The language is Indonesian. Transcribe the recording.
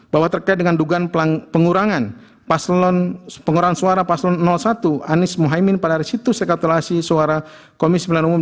tujuh bahwa terkait dengan dugaan pengurangan suara pasal satu anies mohaimin pada resitus rekapitulasi suara komisi pilihan umum